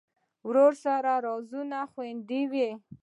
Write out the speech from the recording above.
ورور سره رازونه خوندي وي.